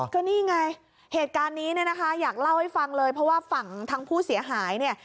ก็นี่ไงเหตุการณ์นี้เนี่ยนะคะอยากเล่าให้ฟังเลยเพราะว่าฝั่งทางผู้เสียหายเนี่ย